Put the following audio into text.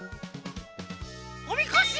おみこし！